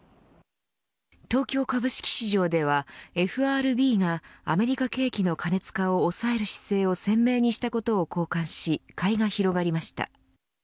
東京株式市場ではＦＲＢがアメリカ景気の過熱化を抑える姿勢を鮮明にしたことを好感し買いが広がりました。